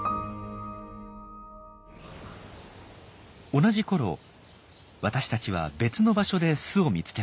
同じころ私たちは別の場所で巣を見つけました。